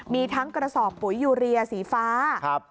มีทั้งกระสอบปุ๋ยยูเรียสีฟ้า